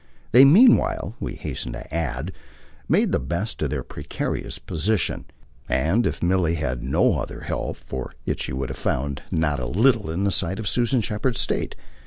They meanwhile, we hasten to add, made the best of their precarious position, and if Milly had had no other help for it she would have found not a little in the sight of Susan Shepherd's state.